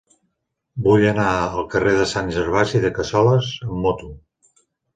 Vull anar al carrer de Sant Gervasi de Cassoles amb moto.